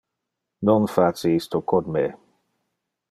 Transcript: Non face isto con me.